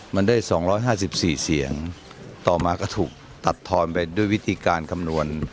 มันได้สองร้อยห้าสิบสี่เสียงต่อมาก็ถูกตัดทอดไปด้วยวิธีการคำนวณ